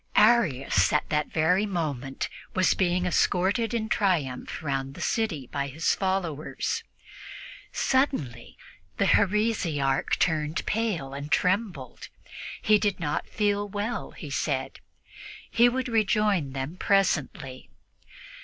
Arius at that very moment was being escorted in triumph around the city by his followers. Suddenly the heresiarch turned pale and trembled. He did not feel well, he said; he would rejoin them presently.